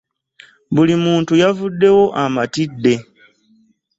Buli muntu yavuddewo amatidde.